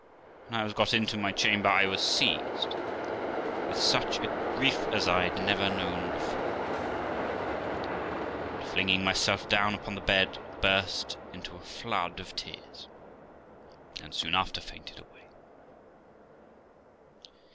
When I was got into my chamber, I was seized with such a grief as I had never known before; and, flinging myself down upon the bed, burst into a flood of tears, and soon after fainted away.